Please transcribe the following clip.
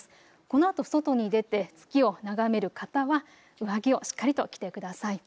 このあと外に出て月を眺める方は上着をしっかりと着てください。